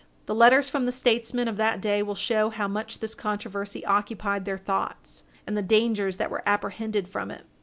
The letters from the statesmen of that day will show how much this controversy occupied their thoughts, and the dangers that were apprehended from it.